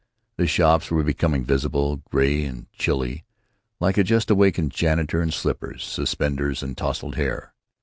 The shops were becoming visible, gray and chilly, like a just awakened janitor in slippers, suspenders, and tousled hair.